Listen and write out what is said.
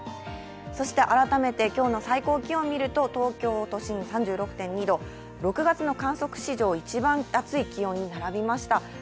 そして、改めて今日の最高気温を見ると、東京都心３６．２度、６月の観測史上一番暑い気温に並びました。